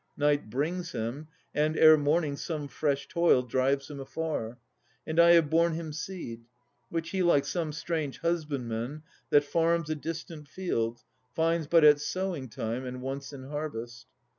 Night brings him, and, ere morning, some fresh toil Drives him afar. And I have borne him seed; Which he, like some strange husbandman that farms A distant field, finds but at sowing time And once in harvest.